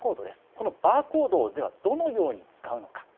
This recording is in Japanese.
このバーコードを、ではどのように使うのか。